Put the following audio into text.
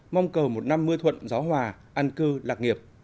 mong cầu một năm mưa thuận gió hòa an cư lạc nghiệp